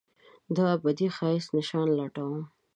دابدي ښایست نشان لټوم